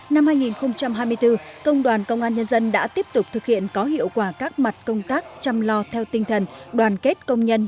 năm hai nghìn hai mươi bốn công đoàn công an nhân dân đã tiếp tục thực hiện có hiệu quả các mặt công tác chăm lo theo tinh thần đoàn kết công nhân